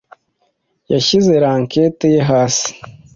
yashyize racket ye hasi.